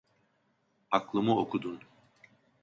Aklımı okudun.